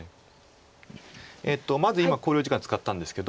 まず今考慮時間使ったんですけど。